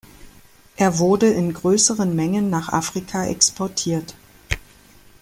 Er wurde in größeren Mengen nach Afrika exportiert.